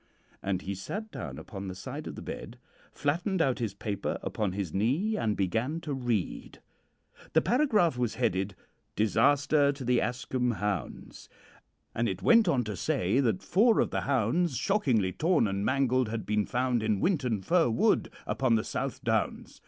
And he sat down upon the side of the bed, flattened out his paper upon his knee, and began to read. "The paragraph was headed, 'Disaster to the Ascombe Hounds,' and it went on to say that four of the hounds, shockingly torn and mangled, had been found in Winton Fir Wood upon the South Downs.